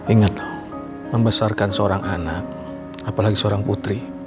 ingat membesarkan seorang anak apalagi seorang putri